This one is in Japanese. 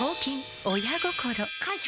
親心！感謝！